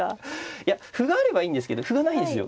いや歩があればいいんですけど歩がないですよ。